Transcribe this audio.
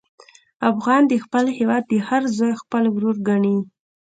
افغان د خپل هېواد هر زوی خپل ورور ګڼي.